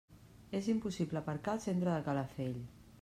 És impossible aparcar al centre de Calafell.